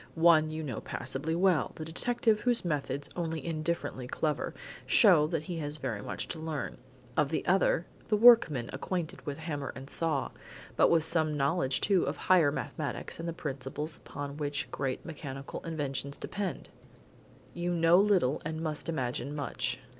One you know passably well the detective whose methods, only indifferently clever show that he has very much to learn. Of the other the workman acquainted with hammer and saw, but with some knowledge too of higher mathematics and the principles upon which great mechanical inventions depend, you know little, and must imagine much.